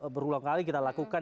berulang kali kita lakukan